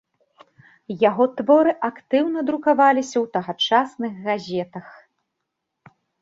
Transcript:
Яго творы актыўна друкаваліся ў тагачасных газетах.